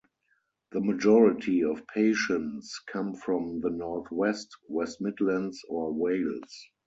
The majority of patients come from the North West, West Midlands or Wales.